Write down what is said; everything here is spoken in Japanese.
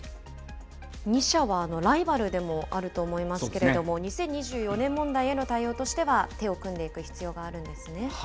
２社はライバルでもあると思いますけれども、２０２４年問題への対応としては手を組んでいく必要があるんですね。